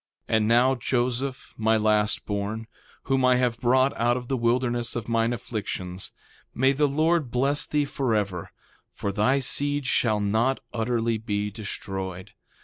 3:3 And now, Joseph, my last born, whom I have brought out of the wilderness of mine afflictions, may the Lord bless thee forever, for thy seed shall not utterly be destroyed.